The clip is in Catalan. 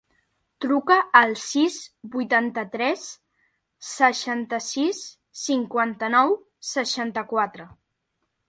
Truca al sis, vuitanta-tres, seixanta-sis, cinquanta-nou, seixanta-quatre.